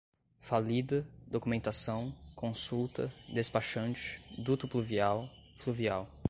Falida, documentação, consulta, despachante, duto pluvial, fluvial